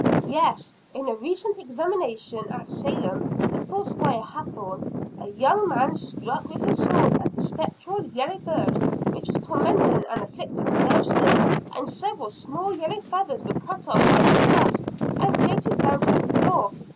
"Yes, in a recent examination at Salem before Squire Hathorne, a young man struck with his sword at a spectral yellow bird which was tormenting an afflicted person; and several small yellow feathers were cut off by the thrust, and floated down to the floor.